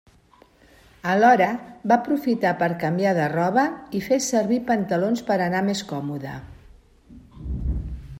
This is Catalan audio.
Alhora, va aprofitar per canviar de roba i fer servir pantalons per anar més còmoda.